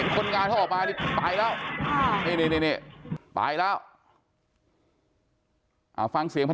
คนงานเขาออกมาเนี่ยไปแล้วไปละ